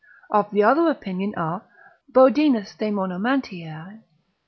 Of the other opinion are Bodinus Daemonamantiae, lib.